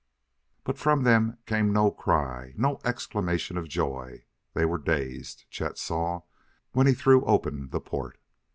But from them came no cry nor exclamation of joy; they were dazed, Chet saw, when he threw open the port.